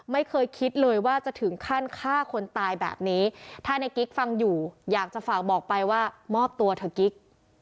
ไม่เคยคิดเลยว่าจะถึงขั้นฆ่าคนตายแบบนี้ถ้าในกิ๊กฟังอยู่อยากจะฝากบอกไปว่ามอบตัวเถอะกิ๊ก